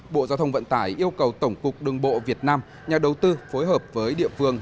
bộ giao thông vận tải yêu cầu tổng cục đường bộ việt nam nhà đầu tư phối hợp với địa phương